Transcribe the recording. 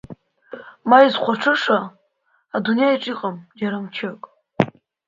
Ма изхәаҽыша адунеиаҿ иҟам џьара мчык.